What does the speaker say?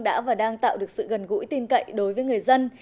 đã và đang tạo được sự gần gũi tin cậy đối với người dân